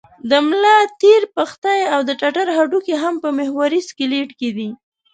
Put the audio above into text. د ملا تیر، پښتۍ او د ټټر هډوکي هم په محوري سکلېټ کې دي.